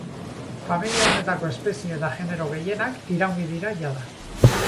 Familia honetako espezie eta genero gehienak iraungi dira jada.